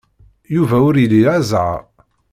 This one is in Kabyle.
Yuba ur ili ara zzheṛ.